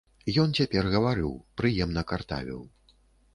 Ён цяпер гаварыў, прыемна картавіў.